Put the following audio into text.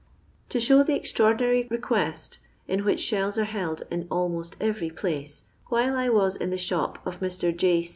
To show the extraordinary request in which shells are held in almost every place, while I was in the shop of Mr. J.